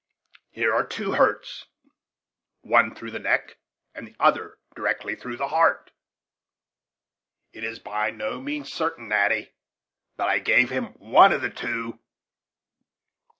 Here are two hurts; one through the neck, and the other directly through the heart. It is by no means certain, Natty, but I gave him one of the two.